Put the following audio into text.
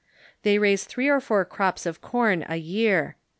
They raise three or four crops of com a year.